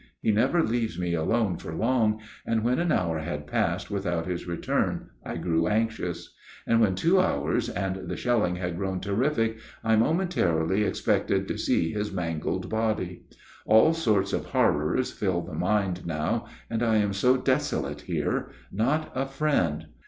He never leaves me alone for long, and when an hour had passed without his return I grew anxious; and when two hours, and the shelling had grown terrific, I momentarily expected to see his mangled body. All sorts of horrors fill the mind now, and I am so desolate here; not a friend.